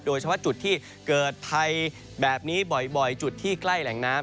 โดยเฉพาะจุดที่เกิดภัยแบบนี้บ่อยจุดที่ใกล้แหล่งน้ำ